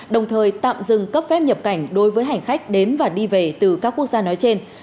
đồng thời tạm dừng cấp phép nhập cảnh đối với hành khách đến và đi về từ các quốc gia nói trên